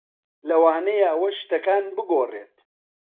لەوانەیە ئەوە شتەکان بگۆڕێت.